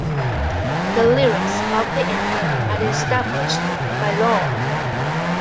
The lyrics of the anthem are established by law.